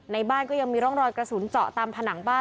ในบ้านก็ยังมีร่องรอยกระสุนเจาะตามผนังบ้าน